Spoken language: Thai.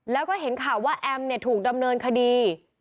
แล้วก็เห็นข่าวว่าแอมเนี่ยถูกดำเนินคดี